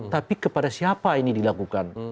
tapi kepada siapa ini dilakukan